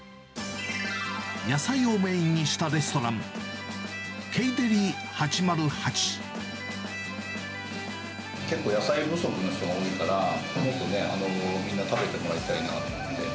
野菜をメインにしたレストラン、結構野菜不足の人が多いから、もっとみんな食べてもらいたいなと思って。